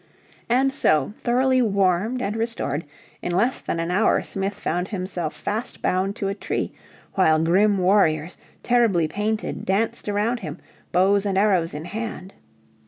And so, thoroughly warmed and restored, in less than an hour Smith found himself fast bound to a tree, while grim warriors, terribly painted, danced around him, bows and arrows in hand.